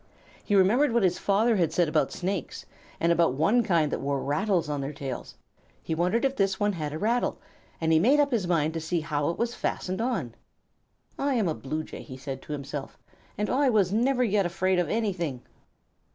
He remembered what his father had said about snakes, and about one kind that wore rattles on their tails. He wondered if this one had a rattle, and he made up his mind to see how it was fastened on. "I am a Blue Jay," he said to himself, "and I was never yet afraid of anything."